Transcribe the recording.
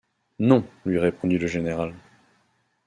Non, lui répondit le général.